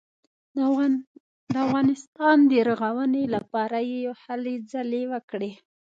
د افغانستان د رغونې لپاره یې هلې ځلې وکړې.